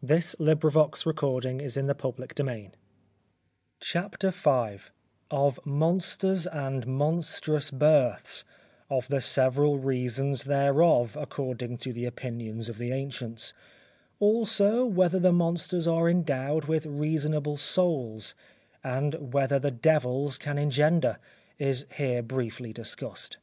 CHAPTER V _Of Monsters and Monstrous Births; and the several reasons thereof, according to the opinions of the Ancients. Also, whether the Monsters are endowed with reasonable Souls; and whether the Devils can engender; is here briefly discussed.